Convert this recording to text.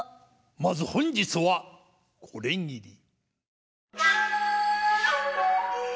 まず本日はこれぎり。